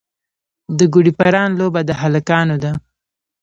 د ګوډي پران لوبه د هلکانو ده.